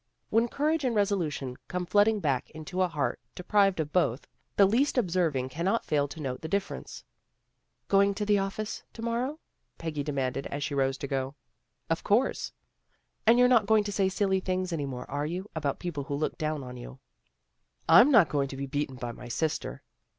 When courage and resolution come flooding back into a heart deprived of both the least observing cannot fail to note the difference. " Going to the office, to morrow? " Peggy demanded, as she rose to go. "Of course." " And you're not going to say silly things any more, are you, about people who look down on you? "" I'm not going to be beaten by my sister.